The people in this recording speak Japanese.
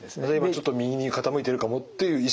ちょっと右に傾いてるかもという意識になる？